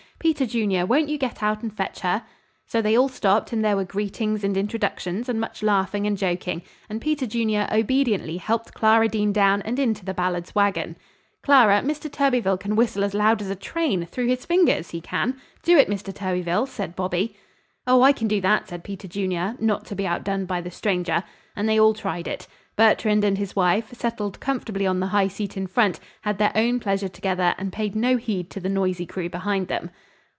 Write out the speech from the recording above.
"Peter Junior, won't you get out and fetch her?" So they all stopped and there were greetings and introductions and much laughing and joking, and Peter Junior obediently helped Clara Dean down and into the Ballards' wagon. "Clara, Mr. Thurbyfil can whistle as loud as a train, through his fingers, he can. Do it, Mr. Thurbyfil," said Bobby. "Oh, I can do that," said Peter Junior, not to be outdone by the stranger, and they all tried it. Bertrand and his wife, settled comfortably on the high seat in front, had their own pleasure together and paid no heed to the noisy crew behind them.